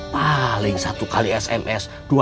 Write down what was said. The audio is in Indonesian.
paling satu kali sms